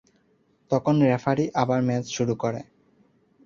তখন রেফারি আবার ম্যাচ শুরু করে।